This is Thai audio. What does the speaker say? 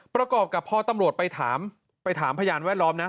ประกอบกับพอตำรวจไปถามไปถามพยานแวดล้อมนะ